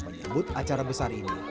menyebut acara besar ini